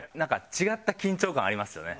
違った緊張感ありますよね。